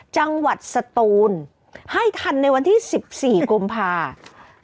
จังหวัดสตูนให้ทันในวันที่๑๔กุมภาคม